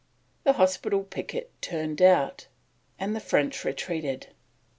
The hospital picket turned out, and the French retreated.